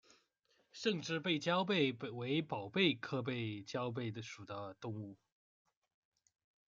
胜枝背焦贝为宝贝科背焦贝属的动物。